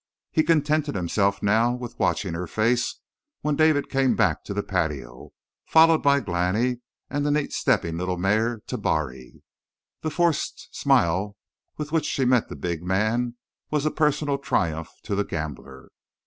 He contented himself now with watching her face when David came back to the patio, followed by Glani and the neat stepping little mare, Tabari. The forced smile with which she met the big man was a personal triumph to the gambler.